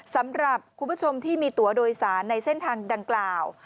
สำหรับคุณผู้ชมที่มีตัวโดยสารในเส้นทางดังกล่าว